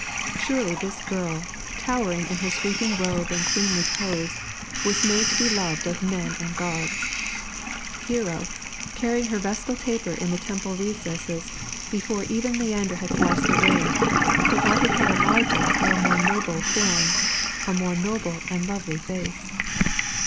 Surely this girl, towering in her sweeping robe and queenly pose, was made to be loved of men and gods! Hero, carrying her vestal taper in the temple recesses, before ever Leander had crossed the wave, could not have had a larger or more noble form, a more noble and lovely face.